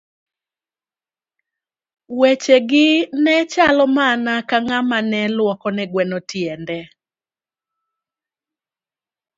Weche gi ne chalo mana ka ng'ama ne lwoko ne gweno tiende.